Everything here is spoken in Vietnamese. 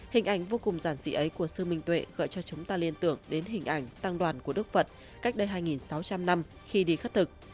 hình ảnh vô cùng giản dị ấy của sư minh tuệ gọi cho chúng ta liên tưởng đến hình ảnh tăng đoàn của đức phật cách đây hai sáu trăm linh năm khi đi khất thực